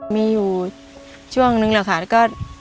เมื่อ